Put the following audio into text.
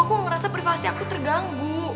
aku merasa privasi aku terganggu